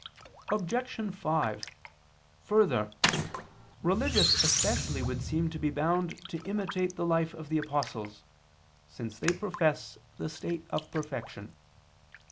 Obj. 5: Further, religious especially would seem to be bound to imitate the life of the apostles, since they profess the state of perfection.